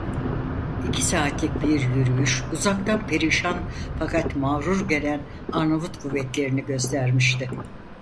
İki saatlik bir yürüyüş, uzaktan perişan fakat mağrur gelen Arnavut kuvvetlerini göstermişti.